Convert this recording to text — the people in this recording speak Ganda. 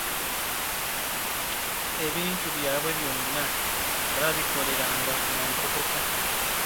Ebintu by'abwe byonna baabikoleranga mu nkukutu